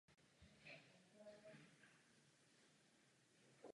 Vítáme obnovení demokracie v Thajsku.